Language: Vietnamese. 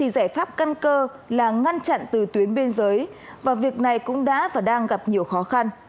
đang chặn từ tuyến biên giới và việc này cũng đã và đang gặp nhiều khó khăn